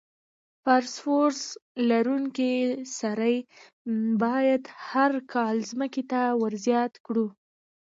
فاسفورس لرونکي سرې باید هر کال ځمکې ته ور زیات کړو.